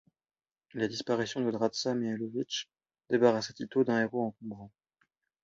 La disparition de Draža Mihailović débarrassait Tito d'un héros encombrant.